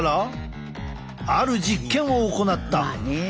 ある実験を行った。